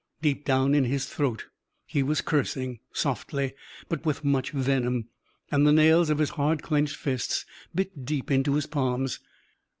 Deep down in his throat, he was cursing: softly, but with much venom. And the nails of his hard clenched fists bit deep into his palms.